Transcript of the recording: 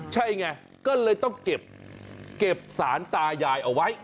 ใช่ไงก็เลยต้องเก็บสารตายายเอาไว้